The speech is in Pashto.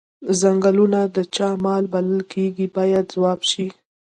څنګلونه د چا مال بلل کیږي باید ځواب شي.